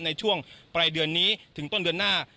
ในช่วงปลายเดือนนี้ถึงต้นเดือนหน้า